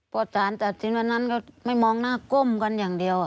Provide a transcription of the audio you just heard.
พอสารตัดสินวันนั้นก็ไม่มองหน้าก้มกันอย่างเดียว